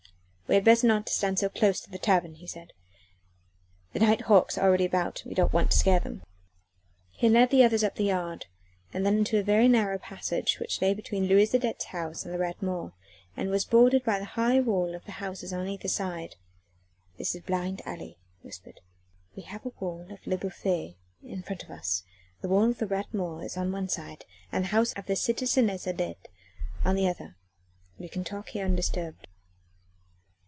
"We had best not stand so close to the tavern," he said, "the night hawks are already about and we don't want to scare them." He led the others up the yard, then into a very narrow passage which lay between Louise Adet's house and the Rat Mort and was bordered by the high walls of the houses on either side. "This is a blind alley," he whispered. "We have the wall of Le Bouffay in front of us: the wall of the Rat Mort is on one side and the house of the citizeness Adet on the other. We can talk here undisturbed."